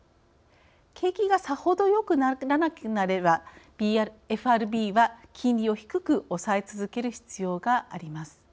景気がさほどよくならなければＦＲＢは金利を低く抑え続ける必要があります。